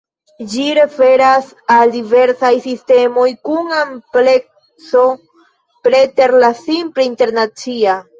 Ĝi referas al diversaj sistemoj kun amplekso preter la simple internacia.